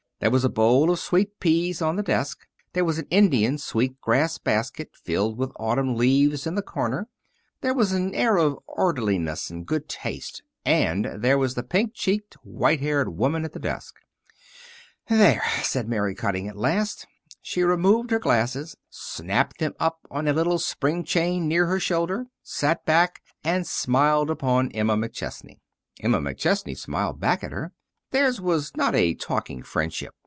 There was a bowl of sweet peas on the desk; there was an Indian sweet grass basket filled with autumn leaves in the corner; there was an air of orderliness and good taste; and there was the pink cheeked, white haired woman at the desk. "There!" said Mary Cutting, at last. She removed her glasses, snapped them up on a little spring chain near her shoulder, sat back, and smiled upon Emma McChesney. Emma McChesney smiled back at her. Theirs was not a talking friendship.